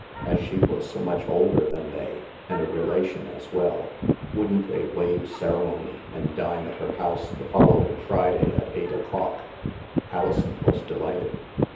As she was so much older than they, and a relation as well, wouldn't they waive ceremony and dine at her house the following Friday, at eight o'clock? Alison was delighted.